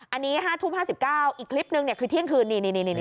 อันนี้๕ทุ่ม๕๙อีกคลิปนึงคือเที่ยงคืนนี่